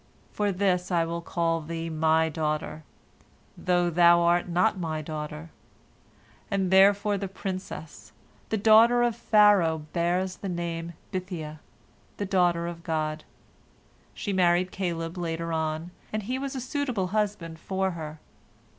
For this I will call thee My daughter, though thou art not My daughter," and therefore the princess, the daughter of Pharaoh, bears the name Bithiah, "the daughter of God." She married Caleb later on, and he was a suitable husband for her.